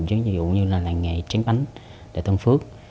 ví dụ như là làng nghề tráng bánh đại tân phước